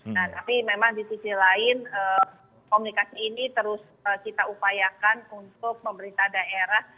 nah tapi memang di sisi lain komunikasi ini terus kita upayakan untuk pemerintah daerah